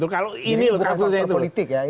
kalau ini loh kasusnya itu